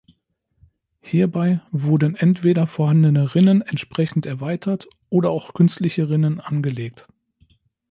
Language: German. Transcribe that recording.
Hierbei wurden entweder vorhandene Rinnen entsprechend erweitert oder auch künstliche Rinnen angelegt.